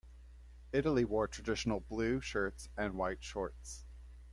Italy wore traditional blue shirts and white shorts.